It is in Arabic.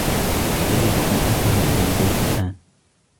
يجب أن أذهب إلى البيت الآن.